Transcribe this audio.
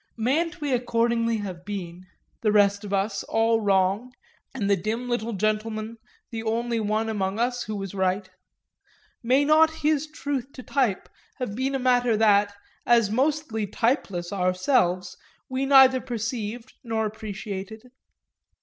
Mayn't we accordingly have been, the rest of us, all wrong, and the dim little gentleman the only one among us who was right? May not his truth to type have been a matter that, as mostly typeless ourselves, we neither perceived nor appreciated?